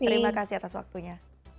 terima kasih atas waktunya